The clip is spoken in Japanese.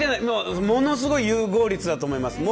ものすごい融合率だと思います